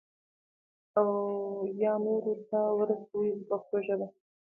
او یا نورو ته ورسوي په پښتو ژبه.